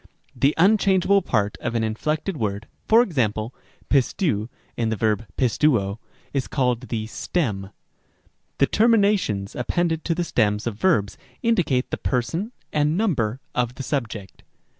Rem. b. The unchangeable part of an inflected word (for example, πιστεὺ in the verb πιστεύω) is called the stem. Rem. c. The terminations appended to the stems of verbs indicate the person and number of the subject.